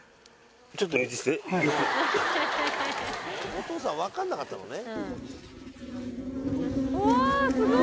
お父さん分かんなかったのね。